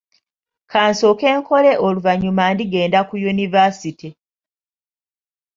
Kansooke nkole oluvanyuma ndigenda ku yunivaasite.